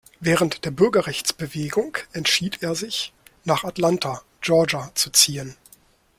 Während der Bürgerrechtsbewegung entschied er sich, nach Atlanta, Georgia, zu ziehen.